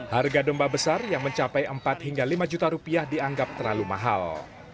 harga domba besar yang mencapai empat hingga lima juta rupiah dianggap terlalu mahal